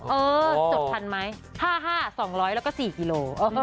เออจดทันไหม๕๕๒๐๐แล้วก็๔กิโล